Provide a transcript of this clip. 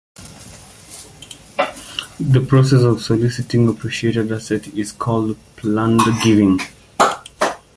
The process of soliciting appreciated assets is called planned giving.